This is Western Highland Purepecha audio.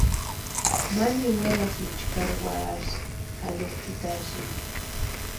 ¿Nani werasïnki chkari warhasï ka ne pʼitasïni?